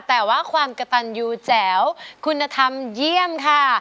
แต่ว่าความกระตันยูแจ๋วคุณธรรมเยี่ยมค่ะ